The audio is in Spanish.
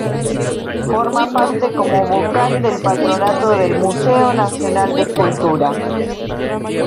Forma parte como Vocal del Patronato del Museo Nacional de Escultura.